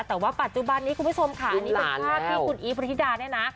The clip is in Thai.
แต่ว่าปัจจุบันนี้คุณผู้ชมค่ะอันนี้เป็นภาพที่คุณอีฟพธิดาเนี่ยนะ